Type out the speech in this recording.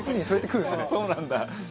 そうなんだ。